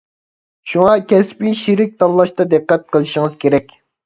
شۇڭا كەسپىي شېرىك تاللاشتا دىققەت قىلىشىڭىز كېرەك.